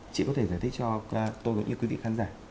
chị có thể giải thích cho tôi và những quý vị khán giả